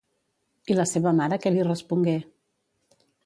I la seva mare què li respongué?